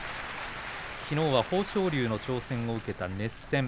きのうは豊昇龍の挑戦を受けた熱戦。